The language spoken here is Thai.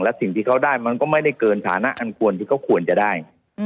และสิ่งที่เขาได้มันก็ไม่ได้เกินฐานะอันควรที่เขาควรจะได้